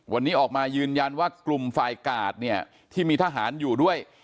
วันนี้ออกมายืนยันว่ากลุ่มฝ่ายกาดเนี่ยที่มีทหารอยู่ด้วย